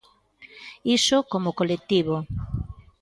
Iso como colectivo.